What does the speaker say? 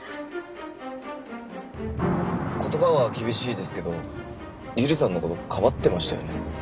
言葉は厳しいですけど百合さんの事かばってましたよね。